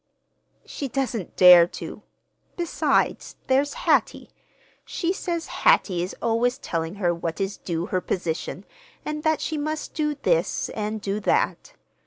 "She doesn't dare to. Besides, there's Hattie. She says Hattie is always telling her what is due her position, and that she must do this and do that.